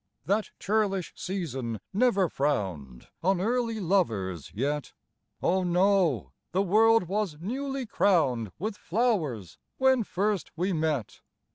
That churlish season never frown'd On early lovers yet: Oh, no the world was newly crown'd With flowers when first we met!